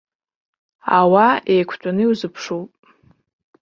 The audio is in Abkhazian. Ауаа еиқәтәаны иузыԥшуп.